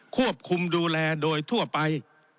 ควบคุมดูแลโดยทั่วไป